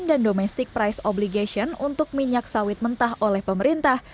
dan domestic price obligation untuk minyak sawit mentah oleh pemerintah